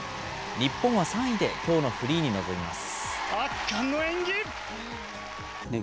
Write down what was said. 日本は３位できょうのフリーに臨みます。